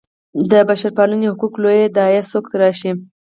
د بشرپالنې حقوقو لویې داعیې څوک تراشي.